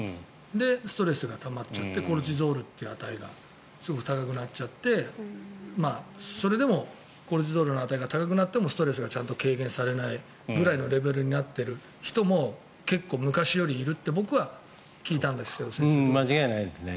で、ストレスがたまっちゃってコルチゾールの値がすごく高くなってそれでもコルチゾールの値が高くなってもストレスがちゃんと軽減されないくらいのレベルになっている人も結構昔よりいるって僕は聞いたんですけど先生どうですか。